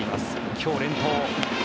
今日、連投。